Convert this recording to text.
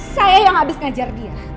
saya yang habis ngajar dia